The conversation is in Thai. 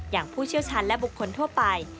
อย่างผู้เชี่ยวชันและบุคคลทั่วไป